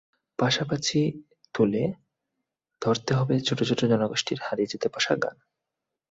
পাশাপাশি তুলে ধরতে হবে ছোট ছোট জনগোষ্ঠীর হারিয়ে যেতে বসা গান।